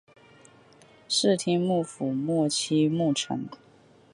室町幕府末期幕臣。